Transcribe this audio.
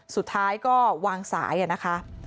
สุดท้ายก็วางสายนะคะ